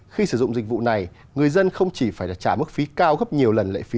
khi sử dụng dịch vụ này người dân không chỉ phải trả mức phí cao gấp nhiều lần lệ phí